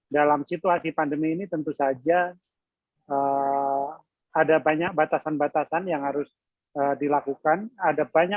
dalam situasi pandemi ini tentu saja ada banyak batasan batasan yang harus dilakukan